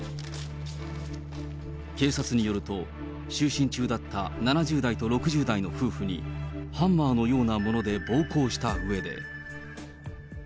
警察によると、就寝中だった７０代と６０代の夫婦に、ハンマーのようなもので暴行したうえで。